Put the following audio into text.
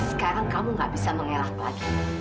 sekarang kamu tidak bisa mengelak balik